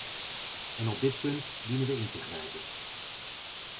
En op dit punt dienen we in te grijpen.